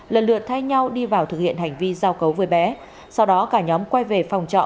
lần lượt thay nhau đi vào thực hiện hành vi giao cấu với bé sau đó cả nhóm quay về phòng trọ